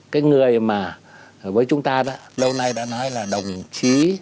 cái người mà với chúng ta lâu nay đã nói là đồng chí